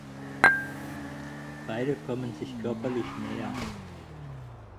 Beide kommen sich körperlich näher.